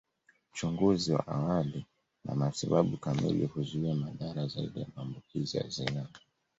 Uchunguzi wa awali na matibabu kamili huzuia madhara zaidi ya maambukizi ya zinaa